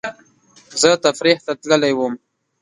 زه تفریح ته تللی وم